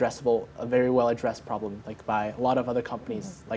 yang sangat terhadap dengan banyak perusahaan lain